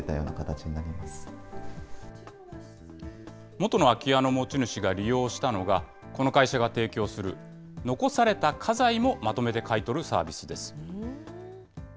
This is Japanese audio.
元の空き家の持ち主が利用したのが、この会社が提供する、残された家財もまとめて買い取るサービスです。